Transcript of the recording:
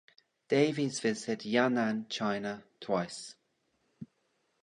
Davies visited Yan'an, China, twice.